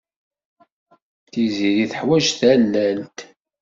Tiziri teḥwaj tallalt.